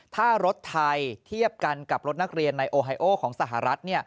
ถ้ารถไทยเทียบกันกับรถนักเรียนในโอไฮโอของสหรัฐ